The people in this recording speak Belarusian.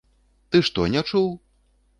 Ты што, не чуў?